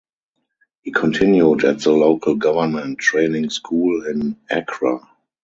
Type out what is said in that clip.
He continued at the Local Government Training School in Accra.